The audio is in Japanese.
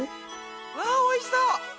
わおいしそう！